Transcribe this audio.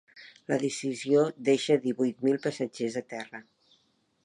La decisió deixa divuit mil passatgers a terra.